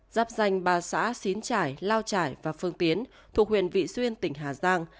giáp danh ba xã xín trải lao trải và phương tiến thuộc huyện vị xuyên tỉnh hà giang